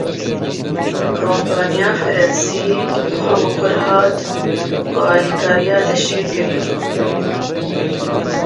Kompaniya Fransî li xwe mikur hat ku alîkariya Daişê kiriye.